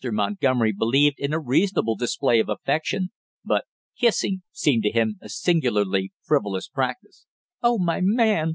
Montgomery believed in a reasonable display of affection, but kissing seemed to him a singularly frivolous practice. "Oh, my man!"